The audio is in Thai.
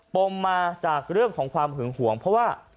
มมาจากเรื่องของความหึงห่วงเพราะว่า